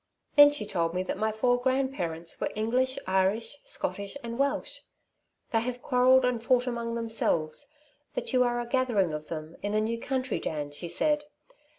Then she told me that my four grandparents were English, Irish, Scottish and Welsh. 'They have quarrelled and fought among themselves, but you are a gathering of them in a new country, Dan,' she said.